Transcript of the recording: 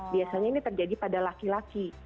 biasanya ini terjadi pada laki laki